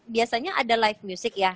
biasanya ada live music ya